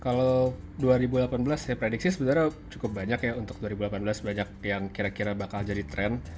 kalau dua ribu delapan belas saya prediksi sebenarnya cukup banyak ya untuk dua ribu delapan belas banyak yang kira kira bakal jadi tren